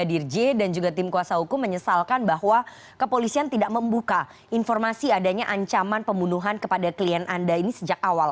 kadir j dan juga tim kuasa hukum menyesalkan bahwa kepolisian tidak membuka informasi adanya ancaman pembunuhan kepada klien anda ini sejak awal